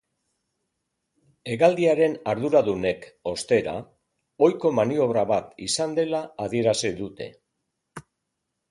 Hegaldiaren arduradunek, ostera, ohiko maniobra bat izan dela adierazi dute.